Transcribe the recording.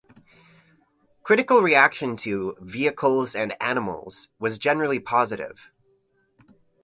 Critical reaction to "Vehicles and Animals" was generally positive.